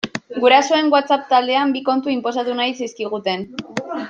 Gurasoen WhatsApp taldean bi kontu inposatu nahi zizkiguten.